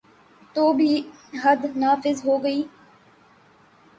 تو بھی حد نافذ ہو گی۔